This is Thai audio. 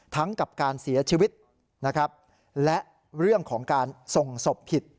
ทั้งกับการเสียชีวิตและเรื่องของการส่งศพผิด